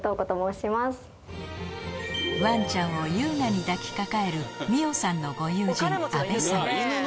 ワンちゃんを優雅に抱きかかえる美緒さんのご友人